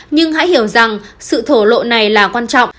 nhưng hãy hiểu rằng sự thổ lộ này là quan trọng